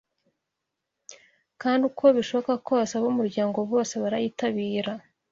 kandi uko bishoboka kose, ab’umuryango bose barayitabiraga